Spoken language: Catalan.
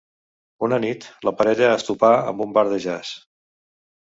Una nit, la parella es topa amb un bar de jazz.